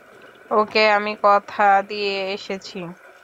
ওকে আমি কথা দিয়ে এসেছি!